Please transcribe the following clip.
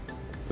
pada saat itu